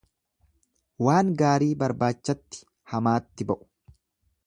Waan gaarii barbaachatti hamaatti ba'u.